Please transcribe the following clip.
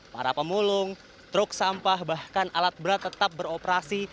para pemulung truk sampah bahkan alat berat tetap beroperasi